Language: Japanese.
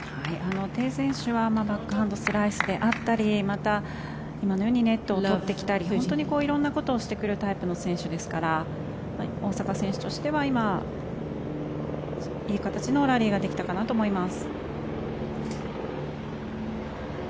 テイ選手はバックハンドスライスであったりまた、今のようにネットを取ってきたリ色んなことをしてくるタイプの選手ですから大坂選手としては今、いい形のラリーができたかなと思います。